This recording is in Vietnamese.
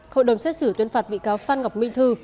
hội đồng xét xử tuyên phạt bị cáo phan ngọc minh thư